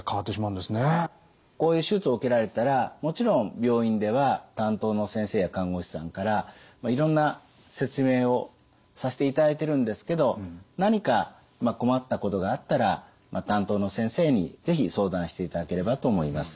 こういう手術を受けられたらもちろん病院では担当の先生や看護師さんからいろんな説明をさせていただいてるんですけど何か困ったことがあったら担当の先生に是非相談していただければと思います。